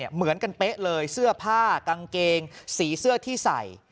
เหมือนกันเป๊ะเลยเสื้อผ้ากางเกงสีเสื้อที่ใส่